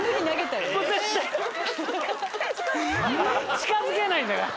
近づけないんだから。